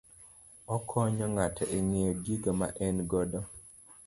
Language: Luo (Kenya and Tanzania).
Okonyo ng'ato e ng'eyo gigo ma en godo